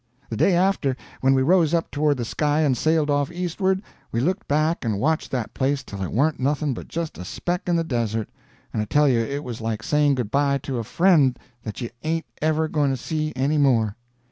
The day after, when we rose up toward the sky and sailed off eastward, we looked back and watched that place till it warn't nothing but just a speck in the Desert, and I tell you it was like saying good bye to a friend that you ain't ever going to see any more.